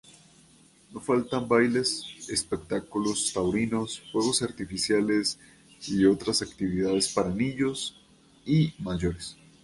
No faltan bailes, espectáculos taurinos, fuegos artificiales y otras actividades para niños y mayores.